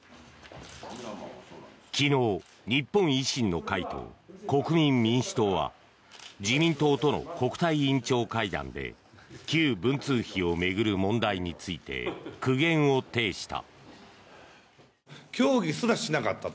昨日、日本維新の会と国民民主党は自民党との国対委員長会談で旧文通費を巡る問題について苦言を呈した。